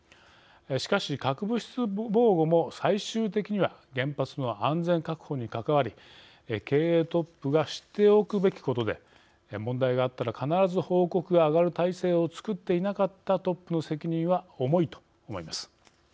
しかし核物質防護も最終的には原発の安全確保に関わり経営トップが知っておくべきことで問題があったら必ず報告が上がる体制をつくっていなかったトップの責任は重いと思います。